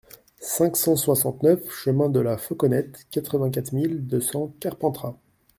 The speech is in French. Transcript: cinq cent soixante-neuf chemin de la Fauconnette, quatre-vingt-quatre mille deux cents Carpentras